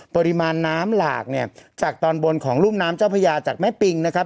ปริมาณน้ำหลากเนี่ยจากตอนบนของรุ่มน้ำเจ้าพญาจากแม่ปิงนะครับ